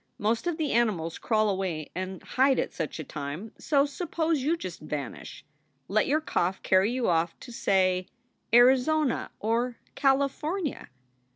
Most of the animals crawl away and hide at such a time; so suppose you just vanish. Let your cough carry you off to say, Arizona or California."